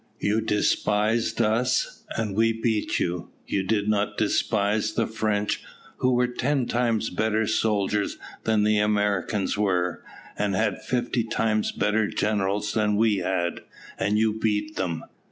"You despised us, and we beat you; you did not despise the French, who were ten times better soldiers than the Americans were, and had fifty times better generals than we had, and you beat them.